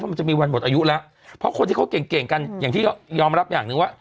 มันจะมีวันหมดอายุแล้วเพราะคนที่เขาเก่งเก่งกันอย่างที่ยอมรับอย่างหนึ่งว่า